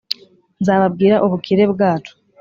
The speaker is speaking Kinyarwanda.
nzababwira ubukire bwacu